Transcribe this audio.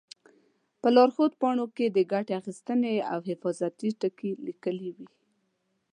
په لارښود پاڼو کې د ګټې اخیستنې او حفاظتي ټکي لیکلي وي.